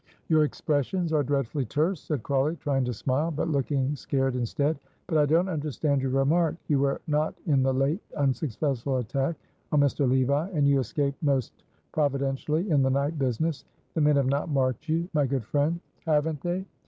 "Your expressions are dreadfully terse," said Crawley, trying to smile, but looking scared instead; "but I don't understand your remark; you were not in the late unsuccessful attack on Mr. Levi, and you escaped most providentially in the night business the men have not marked you, my good friend." "Haven't they?"